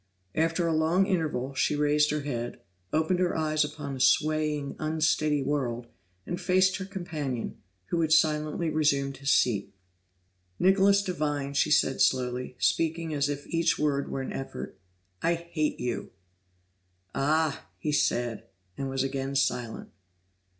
After a long interval, she raised her head, opened her eyes upon a swaying, unsteady world, and faced her companion, who had silently resumed his seat. "Nicholas Devine," she said slowly, speaking as if each word were an effort, "I hate you!" "Ah!" he said and was again silent.